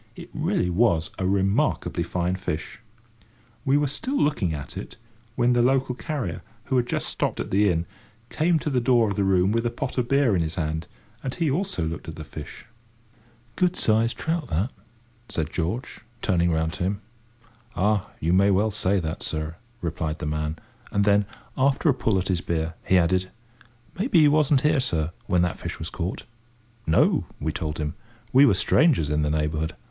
It really was a remarkably fine fish. We were still looking at it, when the local carrier, who had just stopped at the inn, came to the door of the room with a pot of beer in his hand, and he also looked at the fish. "Good sized trout, that," said George, turning round to him. "Ah! you may well say that, sir," replied the man; and then, after a pull at his beer, he added, "Maybe you wasn't here, sir, when that fish was caught?" "No," we told him. We were strangers in the neighbourhood.